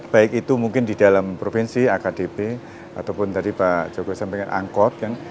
baik itu mungkin di dalam provinsi akdp ataupun tadi pak joko sampaikan angkot kan